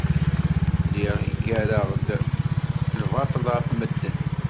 Lliɣ ggareɣ-d lbaṭel ɣef medden.